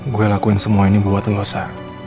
gue lakuin semua ini buat lo sa